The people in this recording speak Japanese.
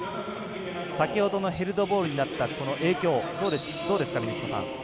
先ほどのヘルドボールになった影響はどうですか、峰島さん。